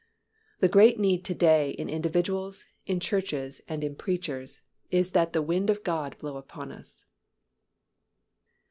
The great need to day in individuals, in churches and in preachers is that the Wind of God blow upon us.